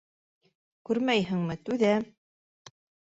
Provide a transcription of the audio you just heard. Күрмәйһеңме: түҙәм!